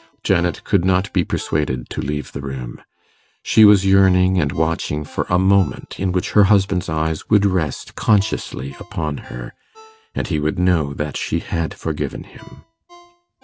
Janet could not be persuaded to leave the room. She was yearning and watching for a moment in which her husband's eyes would rest consciously upon her, and he would know that she had forgiven him.